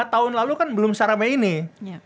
lima tahun lalu kan belum secara main nih